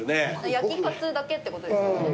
焼きカツだけってことですよね。